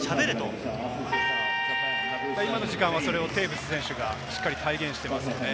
今の時間はテーブス選手がしっかり体現してますよね。